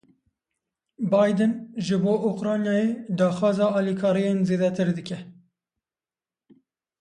Biden ji bo Ukraynayê daxwaza alîkariyên zêdetir dike.